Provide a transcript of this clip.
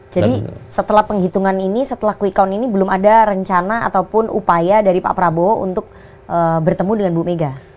jadi setelah penghitungan ini setelah quick count ini belum ada rencana ataupun upaya dari pak prabowo untuk bertemu dengan bu mega